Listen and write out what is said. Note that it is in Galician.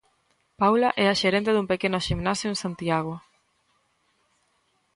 Paula é a xerente dun pequeno ximnasio en Santiago.